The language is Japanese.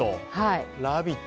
「ラヴィット！」